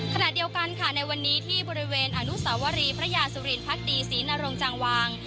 ขณะเดียวกันค่ะในวันนี้ที่บริเวณอนุสาวรีพระยาสุรินพักดีศรีนรงจางวาง